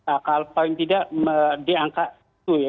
akal paling tidak di angka itu ya